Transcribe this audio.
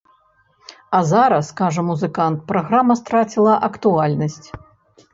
А зараз, кажа музыкант, праграма страціла актуальнасць.